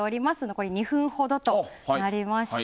残り２分ほどとなりました。